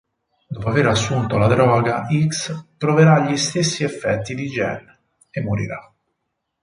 Dopo aver assunto la droga, X proverà gli stessi effetti di Jen, e morirà.